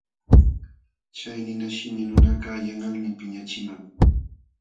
Chay ninashimi nunakaq yanqalmi piñaqchiman.